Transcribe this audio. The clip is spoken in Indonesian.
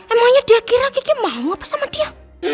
emangnya dia kira kiki mau apa sama dia